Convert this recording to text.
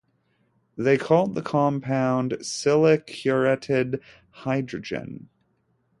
They called the compound "siliciuretted hydrogen".